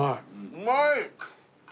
うまい！